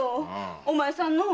お前さんの。